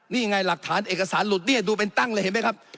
นี่ไงหลักฐานเอกสารหลุดเนี่ยดูเป็นตั้งเลยเห็นไหมครับ